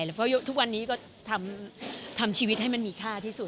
เพราะทุกวันนี้ก็ทำชีวิตให้มันมีค่าที่สุด